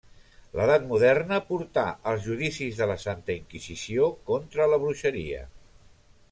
L'Edat moderna portà els judicis de la Santa Inquisició contra la bruixeria.